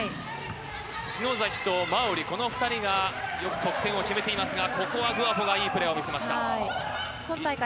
篠崎とまうり、この２人がよく得点を決めていますが、ここはグアポがいいプレーを見せました。